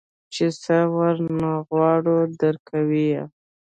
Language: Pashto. چې سه ورنه وغواړې درکوي يې.